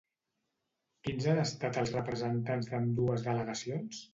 Quins han estat els representants d'ambdues delegacions?